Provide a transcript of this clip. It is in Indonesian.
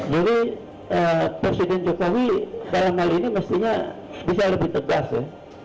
jadi presiden jokowi dalam hal ini mestinya bisa lebih tegas ya